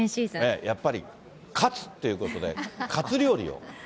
やっぱり勝つっていうことで、カツ料理を。